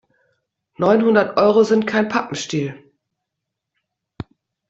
Neunhundert Euro sind kein Pappenstiel.